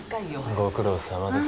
ご苦労さまです